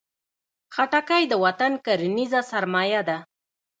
خټکی د وطن کرنیزه سرمایه ده.